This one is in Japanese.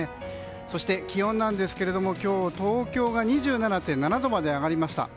そして、気温なんですけど今日、東京が２７．７度まで上がりました。